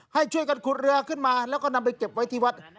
ให้ช่วยกันขุดเรือขึ้นมาแล้วก็นำไปเก็บไว้ที่วัด